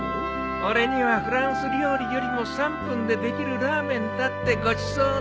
俺にはフランス料理よりも３分でできるラーメンだってごちそうだ。